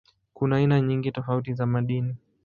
Kuna aina nyingi tofauti za madini.